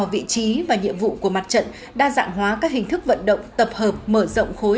vị trí và nhiệm vụ của mặt trận đa dạng hóa các hình thức vận động tập hợp mở rộng khối